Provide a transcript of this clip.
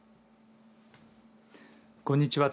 こんにちは。